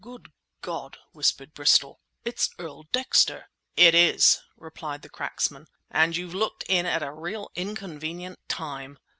"Good God!" whispered Bristol. "It's Earl Dexter!" "It is!" replied the cracksman, "and you've looked in at a real inconvenient time!